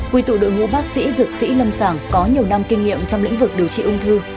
quy tụ đội ngũ bác sĩ dược sĩ lâm sản có nhiều năm kinh nghiệm trong lĩnh vực điều trị ung thư